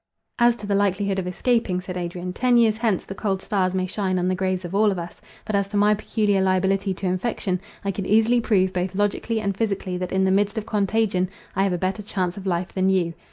"As to the likelihood of escaping," said Adrian, "ten years hence the cold stars may shine on the graves of all of us; but as to my peculiar liability to infection, I could easily prove, both logically and physically, that in the midst of contagion I have a better chance of life than you.